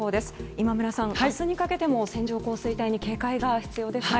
今村さん、明日にかけても線状降水帯に警戒が必要ですね。